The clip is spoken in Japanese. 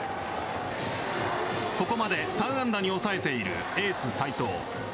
ここまで３安打に抑えているエース齋藤。